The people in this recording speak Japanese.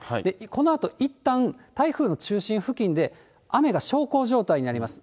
このあと、いったん台風の中心付近で雨が小康状態になります。